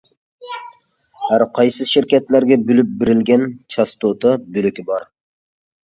ھەر قايسى شىركەتلەرگە بۆلۈپ بېرىلگەن چاستوتا بۆلىكى بار.